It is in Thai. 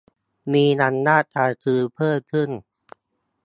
มีอำนาจการซื้อเพิ่มขึ้น